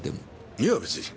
いや別に。